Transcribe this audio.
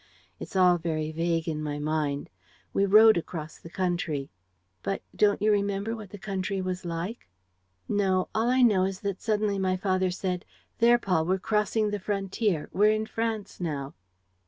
It's all very vague in my mind. We rode across the country." "But don't you remember what the country was like?" "No, all I know is that suddenly my father said: 'There, Paul, we're crossing the frontier; we're in France now.'